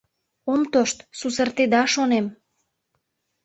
— Ом тошт, сусыртеда, шонем.